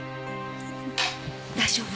大丈夫？